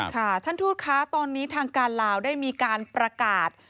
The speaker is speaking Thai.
ท่านทูตคะตอนนี้ทางการลาวได้มีการประกาศ